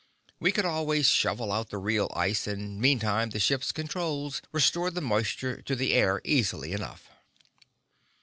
We could always shovel out the real ice, and meantime the ship's controls restored the moisture to the air easily enough.